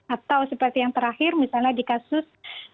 atau seperti yang terakhir misalnya di kasus